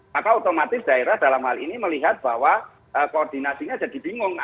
maka otomatis daerah dalam hal ini melihat bahwa koordinasinya jadi bingung